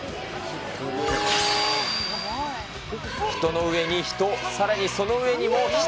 人の上に人、さらにその上にも人。